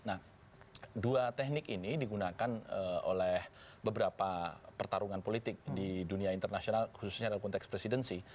nah dua teknik ini digunakan oleh beberapa pertarungan politik di dunia internasional khususnya dalam konteks presidensi